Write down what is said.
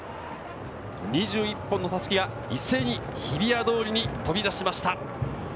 ２１本のたすきが、一斉に日比谷通りに飛び出しました。